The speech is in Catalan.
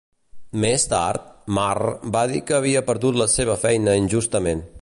Més tard, Marr va dir que havia perdut la seva feina injustament.